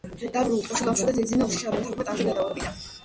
დაბურულ ტყეში ლომს მშვიდად ეძინა უშიშარმა თაგვმა ტანზე გადაურბინა.